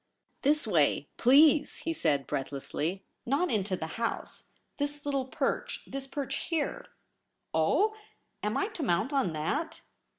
' This way, please,' he said breathlessly ; 'not into the House. This little perch — this perch here.' ' Oh ! am I to mount on that